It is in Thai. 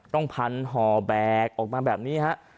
ต้องพันฮอแบกออกมาแบบนี้